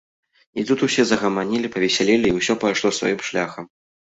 І тут усе загаманілі, павесялелі, і ўсё пайшло сваім шляхам.